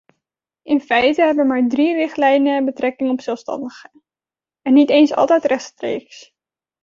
In feite hebben maar drie richtlijnen betrekking op zelfstandigen, en niet eens altijd rechtstreeks.